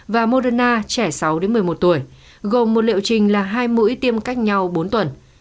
và moderna gồm một liệu trình là hai mũi tiêm cách nhau bốn tuần